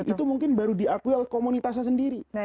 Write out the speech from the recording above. itu mungkin baru diakui oleh komunitasnya sendiri